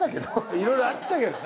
いろいろあったけどね。